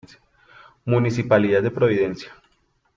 Municipalidad de Providencia.